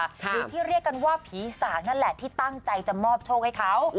หรือที่เรียกกันว่าผีสากนั่นแหละที่ตั้งใจจะมอบโชคให้เขา